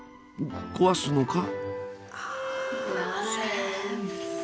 壊すのか？